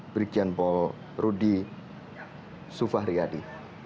brigjen pol rudi sufahriyadi